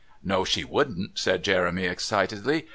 "No, she wouldn't!" said Jeremy excitedly.